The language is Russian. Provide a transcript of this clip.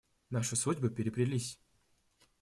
Наши судьбы переплелись.